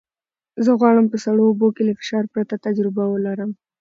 زه غواړم په سړو اوبو کې له فشار پرته تجربه ولرم.